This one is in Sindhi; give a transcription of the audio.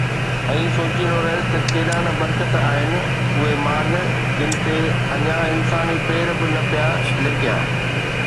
۽ سوچيندو رهيس ته ڪيڏا نه برڪت آهن اهي ماڳ، جن تي اڃا انساني پير به نه پيا لڪيا